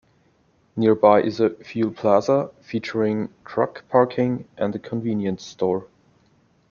Nearby is a fuel plaza, featuring truck parking and a convenience store.